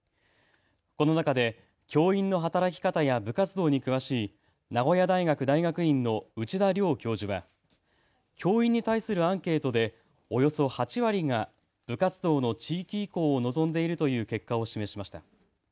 この中で教員の働き方や部活動に詳しい名古屋大学大学院の内田良教授は教員に対するアンケートでおよそ８割が部活動の地域移行を望んでいるという結果を示しました。